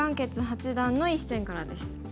傑八段の一戦からです。